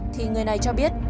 thì người này cho biết